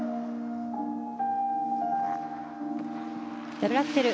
ダブルアクセル